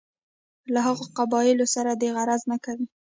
له هغو قبایلو سره دې غرض نه کوي.